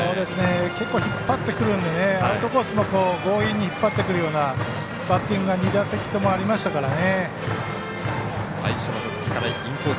結構、引っ張ってくるんでアウトコースも強引に引っ張ってくるようなバッティングが２打席ともありましたからね。